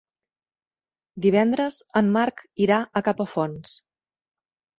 Divendres en Marc irà a Capafonts.